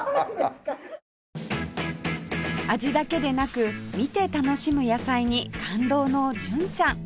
味だけでなく見て楽しむ野菜に感動の純ちゃん